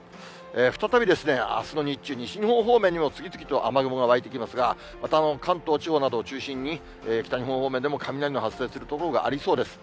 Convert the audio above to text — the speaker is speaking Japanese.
再び、あすの日中、西日本方面にも次々と雨雲が湧いてきますが、また関東地方などを中心に、北日本方面でも雷の発生する所がありそうです。